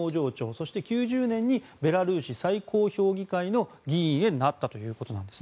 そして９０年にベラルーシ最高評議会の議員になったということです。